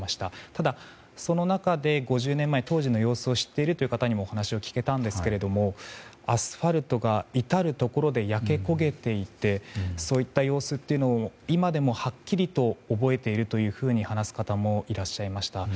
ただその中で５０年前、当時の様子を知っているという方にもお話を聞けたんですがアスファルトが至るところで焼け焦げていてそういった様子を今でも、はっきりと覚えているというふうに話す方もいらっしゃいました。